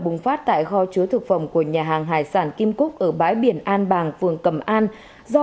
bùng phát tại kho chứa thực phẩm của nhà hàng hải sản kim cúc ở bãi biển an bàng phường cẩm an do